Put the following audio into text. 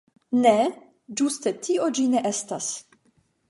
Ne, ĝuste tio ĝi ne estas!